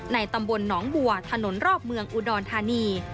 ตำบลหนองบัวถนนรอบเมืองอุดรธานี